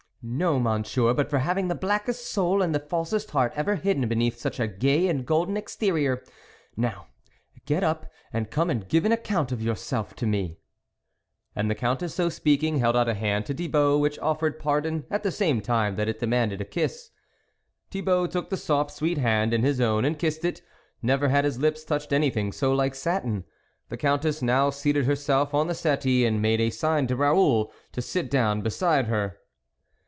" No, Monsieur, but for having the blackest soul and the falsest heart ever hidden beneath such a gay and golden exterior. Now, get up, and come and give an account of yourself to me." And the Countess so speaking held out a hand to Thibault which offered par don at the same time that it demanded a kiss. Thibault took the soft, sweet hand in his own and kissed it ; never had his lips touched anything so like satin. The Countess now seated herself on the settee and made a sign to Raoul to sit down be side her.